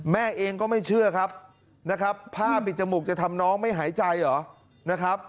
แม่เองก็ไม่เชื่อครับนะครับผ้าปิดจมูกจะทำน้องไม่หายใจเหรอนะครับ